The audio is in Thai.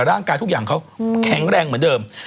ร่างกายทุกอย่างเขาแข็งแรงเหมือนเดิม